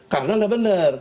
karena tidak benar